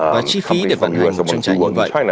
và chi phí để vận hành một trang trại như vậy